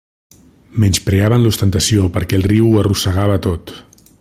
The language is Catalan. Menyspreaven l'ostentació perquè el riu ho arrossegava tot.